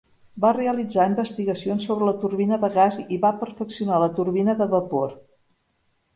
Va realitzar investigacions sobre la turbina de gas i va perfeccionar la turbina de vapor.